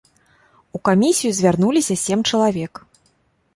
У камісію звярнуліся сем чалавек.